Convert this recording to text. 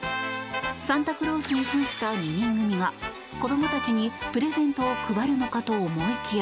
サンタクロースに扮した２人組が子どもたちにプレゼントを配るのかと思いきや